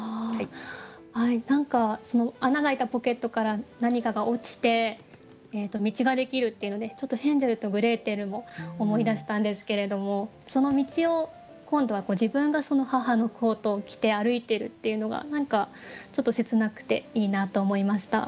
何か穴があいたポケットから何かが落ちて道ができるっていうのでちょっと「ヘンゼルとグレーテル」も思い出したんですけれどもその道を今度は自分がその母のコートを着て歩いてるっていうのがちょっと切なくていいなと思いました。